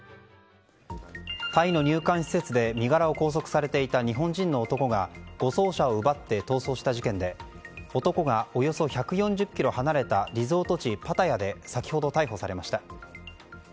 タイの入管施設で身柄を拘束されていた日本人の男が護送車を奪って逃走した事件で男はおよそ１４０ｋｍ離れたリゾート地パタヤで先ほど逮捕されました。